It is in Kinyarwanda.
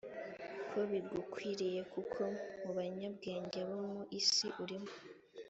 ko bigukwiriye kuko mu banyabwenge bo mu isi urimo